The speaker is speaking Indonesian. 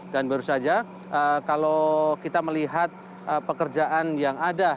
dan baru saja kalau kita melihat pekerjaan yang ada